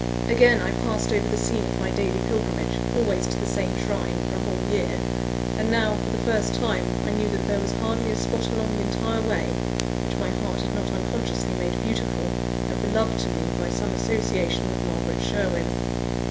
Again I passed over the scene of my daily pilgrimage, always to the same shrine, for a whole year; and now, for the first time, I knew that there was hardly a spot along the entire way, which my heart had not unconsciously made beautiful and beloved to me by some association with Margaret Sherwin.